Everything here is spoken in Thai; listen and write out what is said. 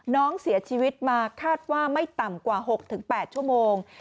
น้องเสียชีวิตมาคาดว่าไม่ต่ำกว่า๖๘ชั่วโมง